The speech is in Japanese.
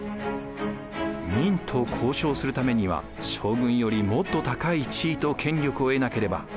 明と交渉するためには将軍よりもっと高い地位と権力を得なければ。